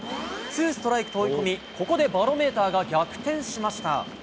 ツーストライクと追い込み、ここでバロメーターが逆転しまし